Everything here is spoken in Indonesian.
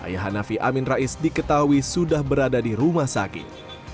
ayah hanafi amin rais diketahui sudah berada di rumah sakit